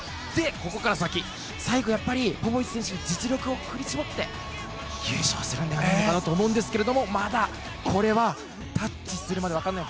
ここから先、最後ポポビッチ選手は実力を振り絞って優勝するんじゃないかと思うんですけどまだこれはタッチするまで分からない。